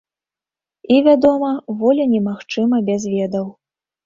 І, вядома, воля немагчыма без ведаў.